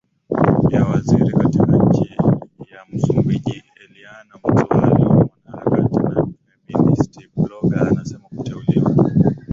ya waziri katika nchi ya MsumbijiEliana Nzualo mwanaharakati na feministi bloga anasema kuteuliwa